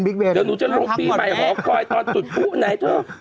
เดี๋ยวหนูจะลงปีใหม่หอคอยตอนจุดผู้ไหนเถอะ